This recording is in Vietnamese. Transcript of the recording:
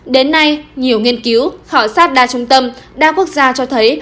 đến nay nhiều nghiên cứu khảo sát đa trung tâm đa quốc gia cho thấy